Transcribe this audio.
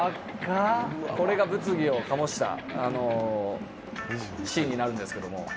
「これが物議を醸したシーンになるんですけども」